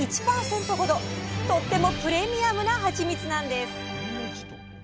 とってもプレミアムなハチミツなんです！